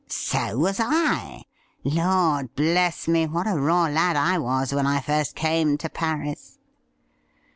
'So was I. Lord bless me ! what a raw lad I was when I first came to Paris